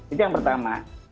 itu yang pertama